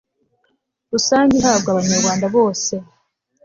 rusange ihabwa abanyarwanda bose